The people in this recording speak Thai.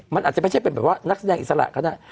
มันอาจจะไม่ใช่เป็นแบบว่านักแสดงอิสระก็ได้